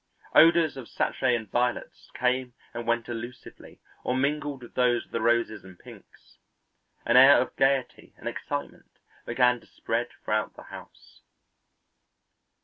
Odours of sachet and violets came and went elusively or mingled with those of the roses and pinks. An air of gayety and excitement began to spread throughout the house.